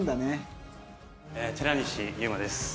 寺西優真です。